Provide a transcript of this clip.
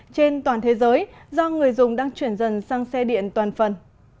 trên toàn thế giới do người dùng đang chuyển dần sang xe điện toàn phần